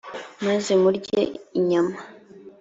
maze murye inyama